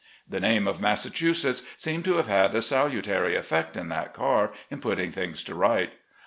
The name of Massachusetts seemed to have had a salutary effect in that car, in putting things to right.